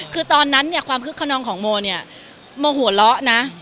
คือตอนนั้นเนี่ยความคึกขนองของโมเนี่ยโมหัวเราะนะ